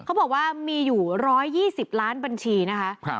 เขาบอกว่ามีอยู่๑๒๐ล้านบัญชีนะคะ